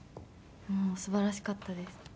もう素晴らしかったです。